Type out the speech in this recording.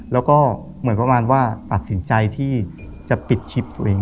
แล้วก็เหมือนประมาณว่าตัดสินใจที่จะปิดชิปตัวเอง